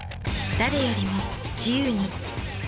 誰よりも自由に。